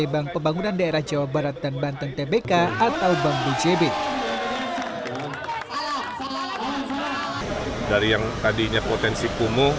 bank pembangunan daerah jawa barat dan banten tbk atau bank bjb dari yang tadinya potensi kumuh